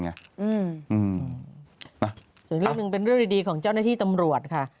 อีกเรื่องหนึ่งเป็นเรื่องดีของเจ้าหน้าที่ตำรวจค่ะ